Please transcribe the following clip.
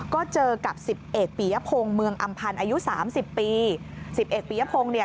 ก็เจอกับสิบเอกปียพงศ์เมืองอำพันธ์อายุสามสิบปีสิบเอกปียพงศ์เนี่ย